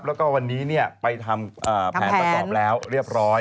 แล้วก็วันนี้ไปทำแผนประกอบแล้วเรียบร้อย